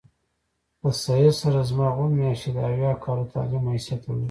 له سید سره زما اووه میاشتې د اویا کالو تعلیم حیثیت درلود.